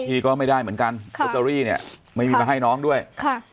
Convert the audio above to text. พี่ก็ไม่ได้เหมือนกันค่ะเนี้ยไม่มีมาให้น้องด้วยค่ะ